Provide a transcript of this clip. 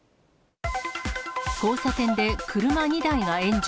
交差点で車２台が炎上。